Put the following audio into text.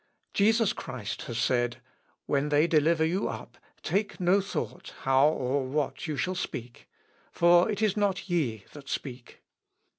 Jesus Christ has said, "_When they deliver you up, take no thought how or what you shall speak. For it is not ye that speak.